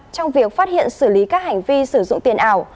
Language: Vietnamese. trong việc phát hiện xử lý các hành vi sử dụng tiền ảo